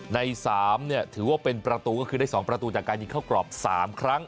ใน๓ถือว่าเป็นประตูก็คือได้๒ประตูจากการยิงเข้ากรอบ๓ครั้ง